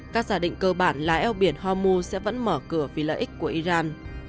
các giả định cơ bản là eo biển homu sẽ vẫn mở cửa vì lợi ích của iran